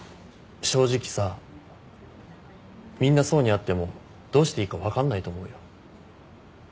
正直さみんな想に会ってもどうしていいか分かんないと思うよ。